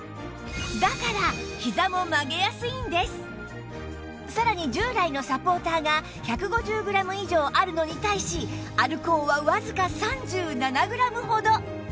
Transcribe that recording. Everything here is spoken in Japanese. だからさらに従来のサポーターが１５０グラム以上あるのに対しアルコーはわずか３７グラムほど